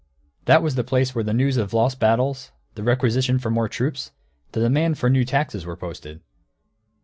That was the place where the news of lost battles, the requisition for more troops, the demands for new taxes were posted.